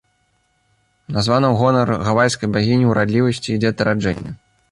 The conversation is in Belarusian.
Названа ў гонар гавайскай багіні ўрадлівасці і дзетараджэння.